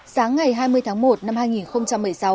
sáng ngày hai mươi tháng một năm hai nghìn một mươi sáu